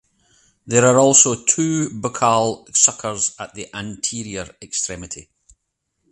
There are also two buccal suckers at the anterior extremity.